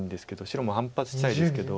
白も反発したいですけど。